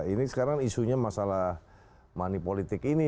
ini sekarang isunya masalah moneypolitik ini